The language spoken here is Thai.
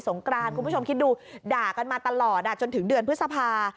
กรานคุณผู้ชมคิดดูด่ากันมาตลอดจนถึงเดือนพฤษภา